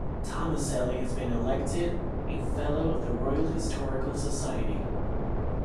Tomaselli has been elected a Fellow of the Royal Historical Society.